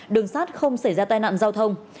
đường sát không xảy ra tai nạn giao thông